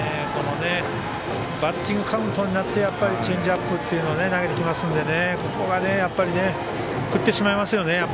バッティングカウントになって、チェンジアップを投げてきますのでここは、振ってしまいますね。